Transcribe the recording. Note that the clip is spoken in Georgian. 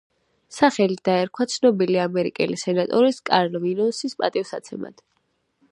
სახელი დაერქვა ცნობილი ამერიკელი სენატორის კარლ ვინსონის პატივსაცემად.